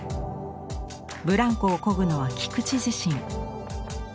ブランコをこぐのは菊地自身。